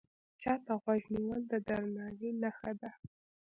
چا ته غوږ نیول د درناوي نښه ده